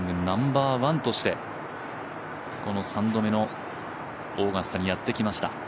ナンバーワンとしてこの３度目のオーガスタにやってきました。